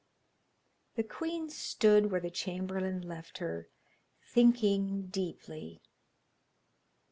The queen stood where the chamberlain left her, thinking deeply.